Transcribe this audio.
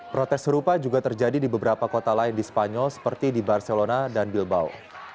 protes serupa juga terjadi di beberapa kota lain di spanyol seperti di barcelona dan bilbau